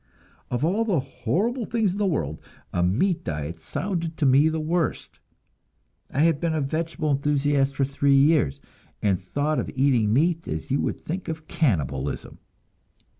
Of all the horrible things in the world, a meat diet sounded to me the worst; I had been a vegetable enthusiast for three years, and thought of eating meat as you would think of cannibalism.